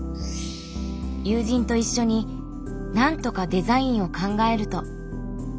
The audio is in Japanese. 友人と一緒に何とかデザインを考えると。